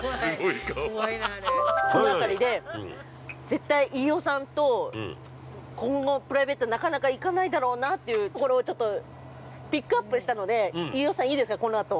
この辺りで、絶対飯尾さんと今後プライベートでなかなか行かないだろうなというところをちょっとピックアップしたので、飯尾さん、いいですか、このあと。